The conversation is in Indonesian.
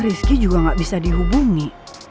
rizky juga gak bisa dihubungi